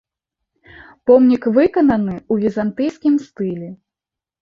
Помнік выкананы ў візантыйскім стылі.